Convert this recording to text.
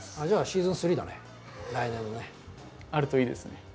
じゃあシーズン３だね来年のね。あるといいですね。